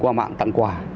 qua mạng tặng quà